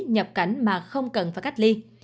nhập cảnh mà không cần phải cách ly